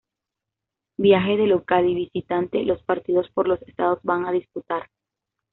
Viaje de Local y visitante los partidos por los estados va a disputar